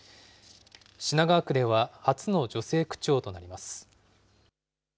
品川区では初の女性区長となります。